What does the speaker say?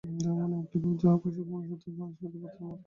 ধর্ম এমন একটি ভাব, যাহা পশুকে মনুষ্যত্বে ও মানুষকে দেবত্বে উন্নীত করে।